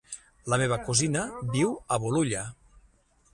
La meva cosina viu a Bolulla.